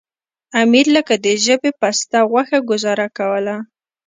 امیر لکه د ژبې پسته غوښه ګوزاره کوله.